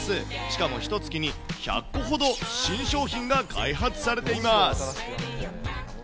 しかもひとつきに１００個ほど新商品が開発されています。